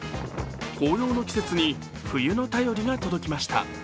紅葉の季節に冬の便りが届きました。